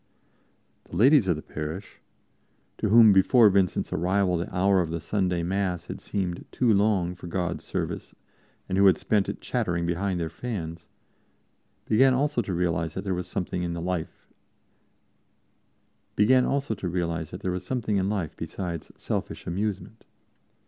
The ladies of the parish, to whom before Vincent's arrival the hour of the Sunday Mass had seemed too long for God's service and who had spent it chattering behind their fans, began also to realize that there was something in life besides selfish amusement.